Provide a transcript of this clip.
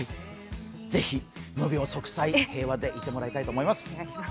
ぜひ無病息災、平和でいてもらいたいと思います。